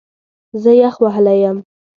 زه یخ وهلی یم